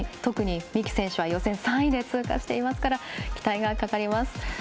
三木選手予選３位で通過していますから期待がかかります。